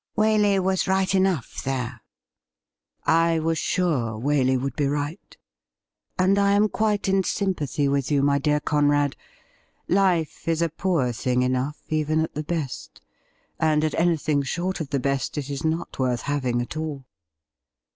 Waley was right enough there.' ' I was sure Waley would be right, and I am quite in sympathy vrith you, my dear Conrad. Life is a poor thing enough, even at the best ; and at anything short of the best it is not worth having at all.